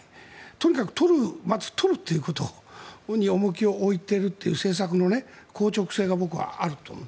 とにかく取るということに重きを置いているという政策の硬直性が僕はあると思う。